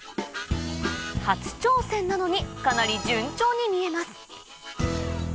初挑戦なのにかなり順調に見えます